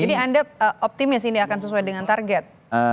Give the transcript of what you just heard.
jadi anda optimis ini akan sesuai dengan target